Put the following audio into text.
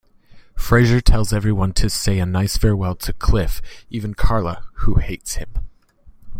Frasier tells everyone to say a nice farewell to Cliff-even Carla, who hates him.